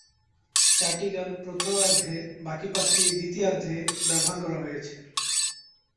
চারটি গান প্রথমার্ধে, বাকি পাঁচটি দ্বিতীয়ার্ধে ব্যবহার করা হয়েছে।